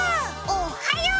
おっはよう！